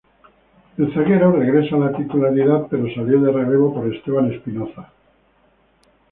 El zaguero regresó a la titularidad, pero salió de relevo por Esteban Espinoza.